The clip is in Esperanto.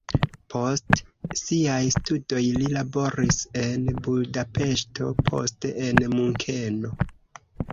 Post siaj studoj li laboris en Budapeŝto, poste en Munkeno.